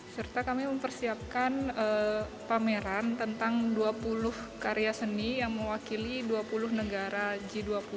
serta kami mempersiapkan pameran tentang dua puluh karya seni yang mewakili dua puluh negara g dua puluh